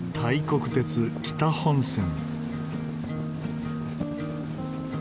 国鉄北本線。